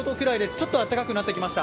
ちょっとあったかくなってきました。